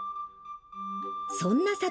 そんな里